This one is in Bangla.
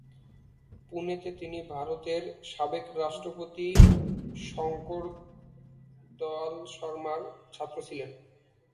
পুনেতে তিনি ভারতের সাবেক রাষ্ট্রপতি শঙ্কর দয়াল শর্মার ছাত্র ছিলেন।